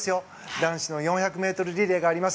男子の４００ｍリレーがあります。